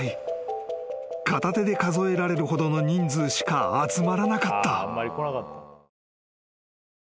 ［片手で数えられるほどの人数しか集まらなかった］